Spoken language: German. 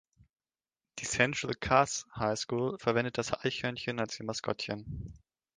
Die Central Cass High School verwendet das Eichhörnchen als ihr Maskottchen.